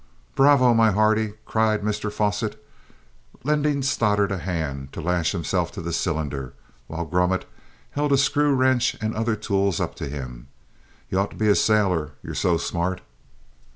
"Bravo, my hearty!" cried Mr Fosset, lending Stoddart a hand to lash himself to the cylinder, while Grummet held a screw wrench and other tools up to him. "You ought to be a sailor, you're so smart!"